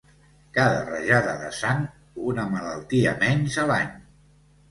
Cada rajada de sang una malaltia menys a l'any.